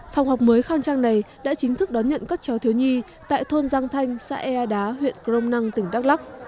phòng học mới khang trang này đã chính thức đón nhận các cháu thiếu nhi tại thôn giang thanh xã ea đá huyện crom năng tỉnh đắk lắc